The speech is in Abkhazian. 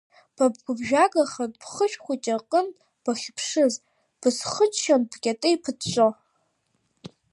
Ба бгәыԥжәагахан бхышә хәыҷ аҟынтәи бахьыԥшыз, бысхыччон бкьатеих ԥыҵәҵәо…